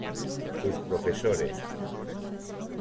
Sus profesores